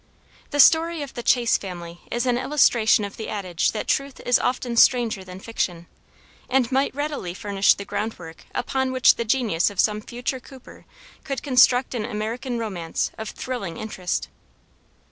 The story of the Chase family is an illustration of the adage that truth is often stranger than fiction, and might readily furnish the groundwork upon which the genius of some future Cooper could construct an American romance of thrilling interest.